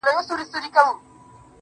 • څه د اضدادو مجموعه یې د بلا لوري.